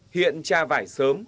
hiện trà vải sớm